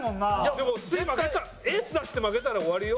でも次負けたらエース出して負けたら終わりよ。